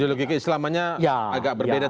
ideologi keislamannya agak berbeda